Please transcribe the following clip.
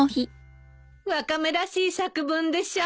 ワカメらしい作文でしょ。